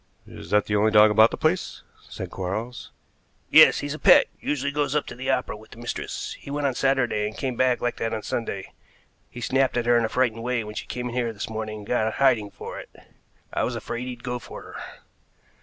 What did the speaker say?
"Is that the only dog about the place?" said Quarles. "Yes. He's a pet; usually goes up to the opera with the mistress. He went on Saturday, and came back like that on Sunday. He snapped at her in a frightened way when she came in here in the morning and got a hiding for it. I was afraid he'd go for her."